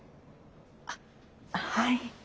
あっはい。